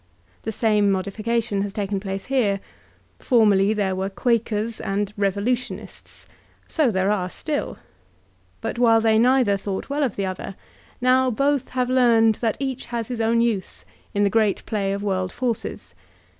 The same modi fication has taken place here. Formerly there were "Quakers*' and "Revolutionists" ; so there are still. But while they neither thought well of the other, now both have learned that each has his own use in the great play of world forces.